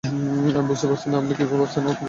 আমি বুঝতে পারছি না আপনি কি ভাবছেন, আর কি বলতে চান?